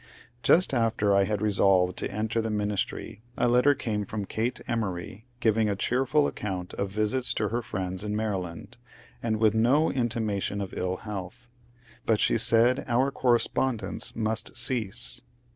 Just after I had resolved to enter the ministry a letter came from Elate Emory giving a cheerful accoimt of visits to her friends in Maryland, and with no intimation of ill health ; but she said our correspondence must cease.